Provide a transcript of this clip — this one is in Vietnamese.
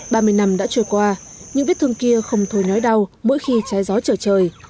ba mươi năm đã trôi qua những vết thương kia không thôi nói đau mỗi khi trái gió trở trời